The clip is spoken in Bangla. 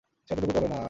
সে এতটুকু টলে না।